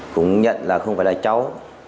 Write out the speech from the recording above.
cũng nhận là không phải là cháu